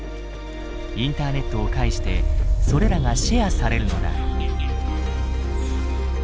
インターネットを介してそれらがシェアされるのだ。